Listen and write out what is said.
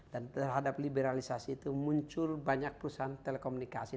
dan terhadap liberalisasi itu muncul banyak perusahaan telekomunikasi